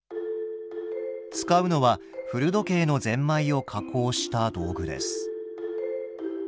使うのは古時計のゼンマイを加工した道具です。